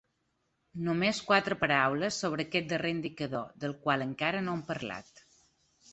Només quatre paraules sobre aquest darrer indicador del qual encara no hem parlat.